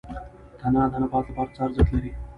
تنه د نبات لپاره څه ارزښت لري؟